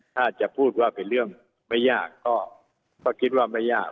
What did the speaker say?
ถ้าจะพูดว่าเป็นเรื่องไม่ยากก็คิดว่าไม่ยาก